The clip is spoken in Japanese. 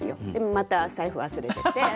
また財布忘れてて。